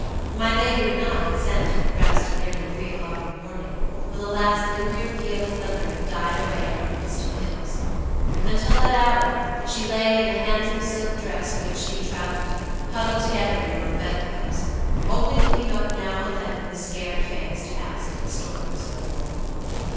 My lady would not consent to undress till nearly three o'clock in the morning, when the last lingering peal of thunder had died away among the distant hills. Until that hour she lay in the handsome silk dress in which she had traveled, huddled together among the bedclothes, only looking up now and then with a scared face to ask if the storm was over.